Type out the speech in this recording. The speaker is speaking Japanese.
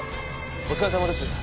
お疲れさまです。